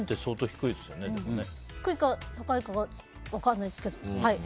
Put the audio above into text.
低いか、高いかが分からないですけど。